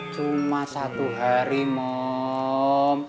cuma satu hari mom